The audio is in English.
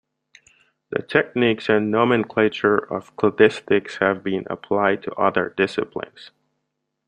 The techniques and nomenclature of cladistics have been applied to other disciplines.